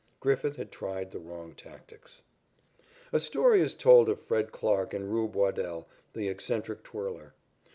Griffith had tried the wrong tactics. A story is told of Fred Clarke and "Rube" Waddell, the eccentric twirler.